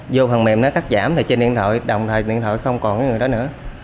vô phần mềm nó cắt giảm thì trên điện thoại đồng thời điện thoại không còn người đó nữa